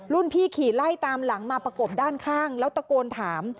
พี่ขี่ไล่ตามหลังมาประกบด้านข้างแล้วตะโกนถาม